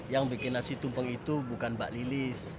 yang bikin nasi tumpeng itu bukan mbak lilis